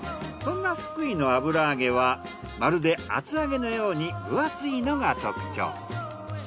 そんな福井の油揚げはまるで厚揚げのように分厚いのが特徴。